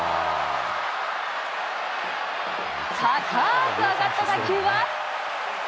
高く上がった打球は？